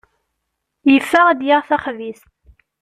Yeffeɣ ad d-yaɣ taxbizt.